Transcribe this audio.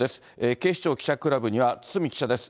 警視庁記者クラブには堤記者です。